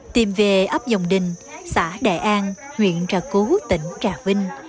tìm về ấp dòng đình xã đại an huyện trà cú tỉnh trà vinh